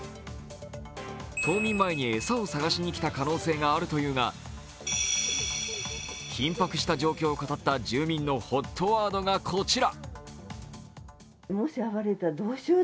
冬眠前に餌を探しにきた可能性があるというが緊迫した状況を語った住民のＨＯＴワードがこちら。